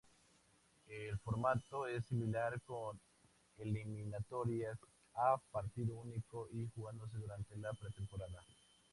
El formato es similar, con eliminatorias a partido único y jugándose durante la pretemporada.